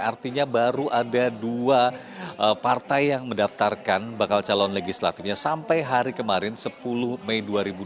artinya baru ada dua partai yang mendaftarkan bakal calon legislatifnya sampai hari kemarin sepuluh mei dua ribu dua puluh